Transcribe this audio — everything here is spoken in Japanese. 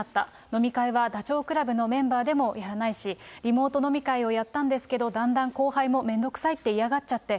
飲み会はダチョウ倶楽部のメンバーでもやらないし、リモート飲み会をやったんですけど、だんだん後輩も面倒臭いって嫌がっちゃって。